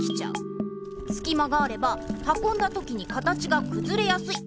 すき間があればはこんだときに形がくずれやすい。